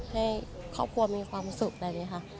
ให้ครอบครัวมีความสุขแบบนี้ค่ะ